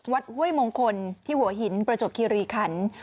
ห้วยมงคลที่หัวหินประจบคิริขัน